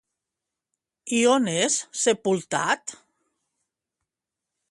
I on és sepultat?